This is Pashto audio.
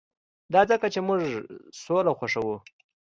دا ځکه چې موږ سوله خوښوو